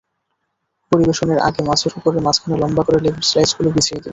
পরিবেশনের আগে মাছের ওপরে মাঝখানে লম্বা করে লেবুর স্লাইসগুলো বিছিয়ে দিন।